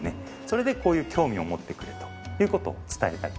それでこういう興味を持ってくれという事を伝えたい。